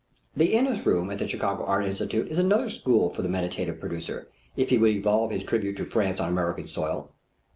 The Inness room at the Chicago Art Institute is another school for the meditative producer, if he would evolve his tribute to France on American soil.